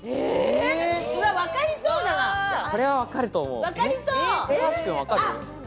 これはわかると思う。